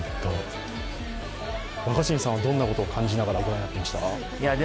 若新さんはどんなことを感じながら御覧になってました？